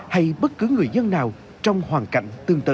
hay bất cứ người dân nào trong hoàn cảnh tương tự